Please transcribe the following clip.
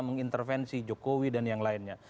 mengintervensi jokowi dan yang lainnya